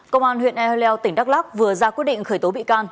công an huyện ehleu tỉnh đắk lắc vừa ra quyết định khởi tố bị can